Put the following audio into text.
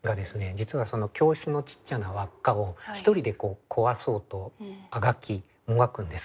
実は教室のちっちゃなわっかを一人で壊そうとあがきもがくんです。